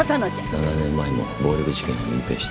７年前も暴力事件を隠蔽した。